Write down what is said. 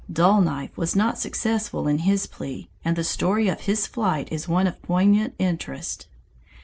Dull Knife was not successful in his plea, and the story of his flight is one of poignant interest.